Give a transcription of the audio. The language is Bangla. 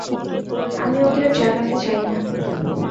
আমি ওদের জানাতে চাই না।